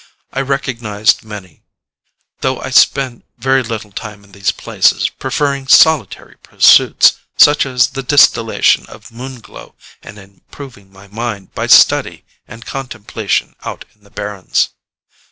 I recognized many, though I spend very little time in these places, preferring solitary pursuits, such as the distillation of Moon Glow, and improving my mind by study and contemplation out in the barrens.